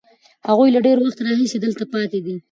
هغوی له ډېر وخت راهیسې دلته پاتې دي.